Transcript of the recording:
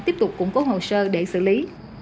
tiếp tục củng cố hồ sơ để xử lý